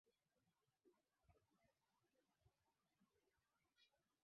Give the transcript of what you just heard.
ambao wakazi wake walijenga uadui mkubwa na Wayahudi baada ya uhamisho wa Babeli